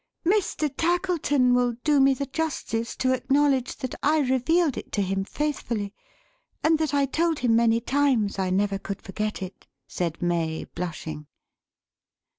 "Mr. Tackleton will do me the justice to acknowledge that I revealed it to him faithfully; and that I told him, many times, I never could forget it," said May, blushing.